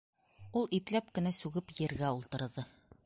Ул ипләп кенә сүгеп ергә ултырҙы.